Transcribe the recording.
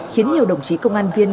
khiến nhiều đồng chí công an viên